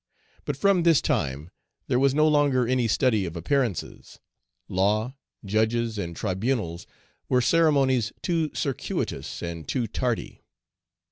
But from this time there was no longer any study of appearances; law, judges, and tribunals were ceremonies too circuitous and too tardy.